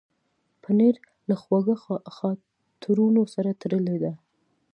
پنېر له خوږو خاطرونو سره تړلی دی.